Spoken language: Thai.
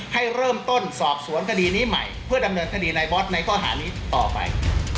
ให้เริ่มต้นสอบสวนคดีนี้ใหม่เพื่อดำเนินคดีในบอสในข้อหานี้ต่อไป